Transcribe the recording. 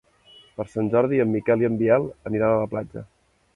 Per Sant Jordi en Miquel i en Biel aniran a la platja.